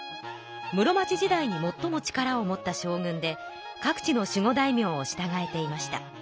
室町時代にもっとも力を持った将軍で各地の守護大名をしたがえていました。